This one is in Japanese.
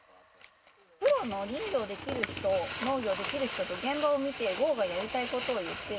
プロの林業できる人、農業できる人と、現場を見て、豪がやりたいことを言って。